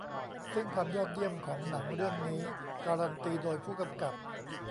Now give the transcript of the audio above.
ซึ่งความยอดเยี่ยมของหนังเรื่องนี้การันตีโดยผู้กำกับ